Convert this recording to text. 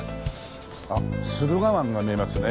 あっ駿河湾が見えますね。